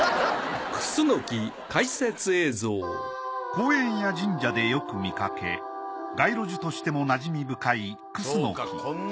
公園や神社でよく見かけ街路樹としてもなじみ深いクスノキ。